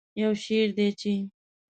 یو شعر دی چې